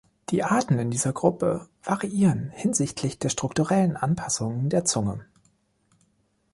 Die Arten in dieser Gruppe variieren hinsichtlich der strukturellen Anpassungen der Zunge.